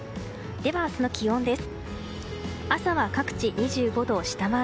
明日の気温です。